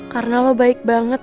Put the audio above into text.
karena lo baik banget